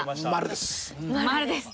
丸です。